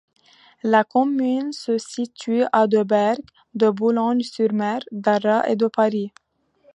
La commune se situe à de Berck, de Boulogne-sur-Mer, d'Arras et de Paris.